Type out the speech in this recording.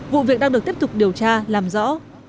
vụ việc đang được tiếp tục điều tra làm rõ